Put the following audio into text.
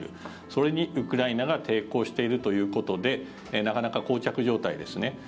それにウクライナが抵抗しているということでなかなかこう着状態ですね。